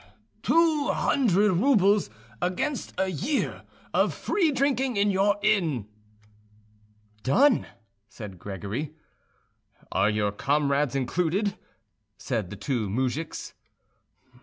"Two hundred roubles against a year of free drinking in your inn." "Done!" said Gregory. "Are your comrades included?" said the two moujiks.